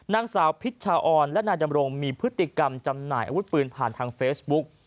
นางสาวพิชชาออนและนายดำรงมีพฤติกรรมจำหน่ายอาวุธปืนผ่านทางเฟซบุ๊ก